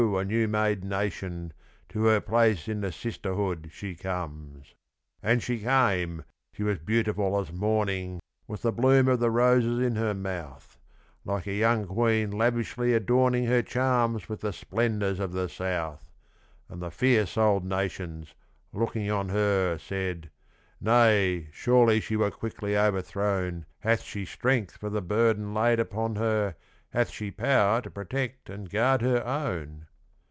a new made nation, To her place in the sisterhood she comes!' And she came she was beautiful as morning, With the bloom of the roses in her mouth, Like a young queen lavishly adorning Her charms with the splendours of the South. And the fierce old nations, looking on her, Said, 'Nay, surely she were quickly overthrown, Hath she strength for the burden laid upon her, Hath she power to protect and guard her own?